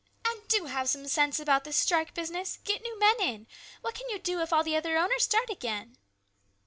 " And do have some sense about this strike business. Get new men in. What can you do if all the other owners start again